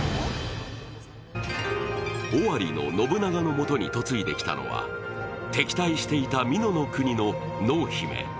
尾張の信長の元に嫁いできたのは、敵対していた美濃の国の濃姫。